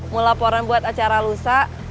mau laporan buat acara lusa